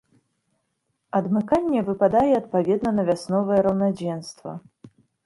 Адмыканне выпадае адпаведна на вясновае раўнадзенства.